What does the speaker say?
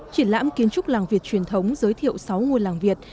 triển lãm kiến trúc làng việt truyền thống giới thiệu sáu ngôi làng việt